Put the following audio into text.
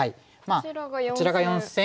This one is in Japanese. こちらが四線。